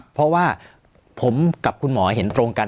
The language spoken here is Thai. เพราะว่าผมกับคุณหมอเห็นตรงกัน